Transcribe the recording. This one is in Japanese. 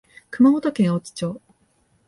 熊本県大津町